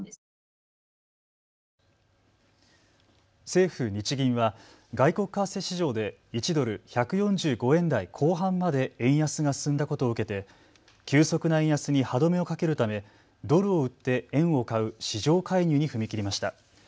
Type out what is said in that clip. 政府、日銀は外国為替市場で１ドル１４５円台後半まで円安が進んだことを受けて急速な円安に歯止めをかけるためドルを売って円を買う市場介入に踏み切りました。